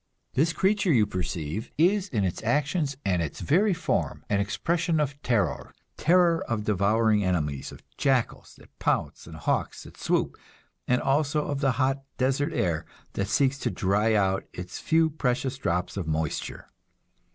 This creature, you perceive, is in its actions and its very form an expression of terror; terror of devouring enemies, of jackals that pounce and hawks that swoop, and also of the hot desert air that seeks to dry out its few precious drops of moisture.